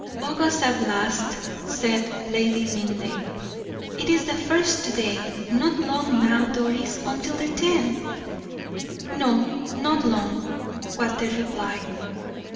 "August at last," said Lady Linleigh; "it is the first to day. Not long now, Doris, until the tenth." "No; not long," was the reply.